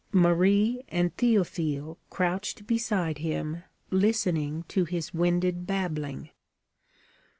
Marie and Théophile crouched beside him, listening to his winded babbling.